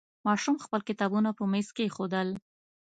ماشوم خپل کتابونه په میز کېښودل.